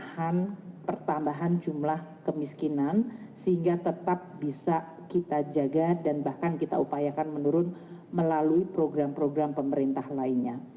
ada pertambahan jumlah kemiskinan sehingga tetap bisa kita jaga dan bahkan kita upayakan menurun melalui program program pemerintah lainnya